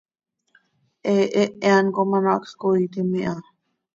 He hehe án com ano hacx coiitim iha.